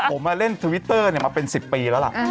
ผมมาเล่นทวิตเตอร์มาเป็น๑๐ปีแล้วล่ะ